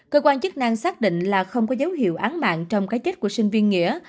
cơ quan chức năng xác định là không có dấu hiệu án mạng trong cái chết của sinh viên nghĩa